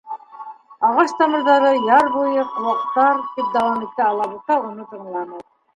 —Ағас тамырҙары, яр буйы, ҡыуаҡтар, —тип дауам итте Алатуба, уны тыңламай.